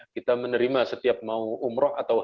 kita menerima setiap mau umroh atau